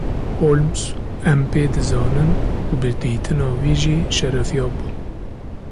Holmes: Em pê dizanin û bi dîtina wî jî şerefyab bûn.